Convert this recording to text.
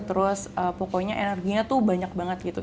terus pokoknya energinya tuh banyak banget gitu